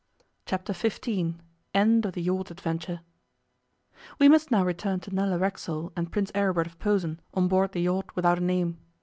Chapter Fifteen END OF THE YACHT ADVENTURE WE must now return to Nella Racksole and Prince Aribert of Posen on board the yacht without a name.